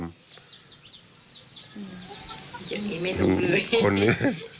อย่างนี้ไม่ถูกเลย